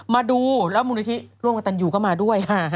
มาดูแล้วมูลนิธิร่วมกับตันยูก็มาด้วย